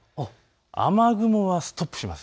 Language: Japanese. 雨雲はストップします。